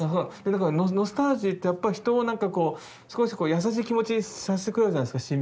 ノスタルジーってやっぱり人をなんかこう少し優しい気持ちにさせてくれるじゃないですか。